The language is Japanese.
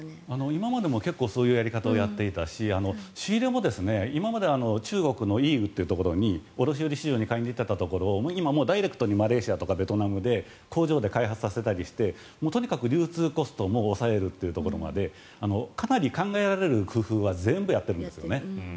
今までも結構そういうやり方をやっていたし仕入れも今まで中国のところに卸売市場にダイレクトにマレーシアとかベトナムとかで工場を開発させてとにかく流通コストを抑えるというところまでかなり考えられる工夫は全部やっているんですね。